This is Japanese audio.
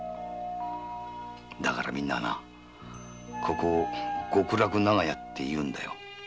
だからみんなここを極楽長屋って言うんだよ。